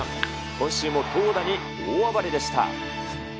今週も投打に大暴れでした。